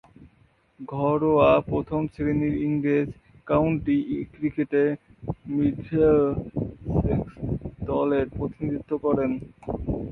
ঘরোয়া প্রথম-শ্রেণীর ইংরেজ কাউন্টি ক্রিকেটে মিডলসেক্স দলের প্রতিনিধিত্ব করেন।